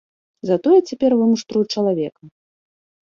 Затое цяпер вымуштрую чалавека.